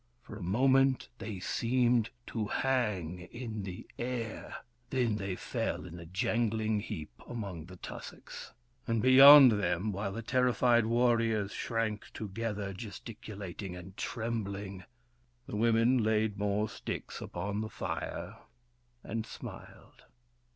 For a moment they seemed to hang in the air, then they fell in a jangling heap among the tussocks. And beyond them, while the terrified warriors shrank together, gesticulating and trembling, the women laid more sticks upon the fire, and smiled.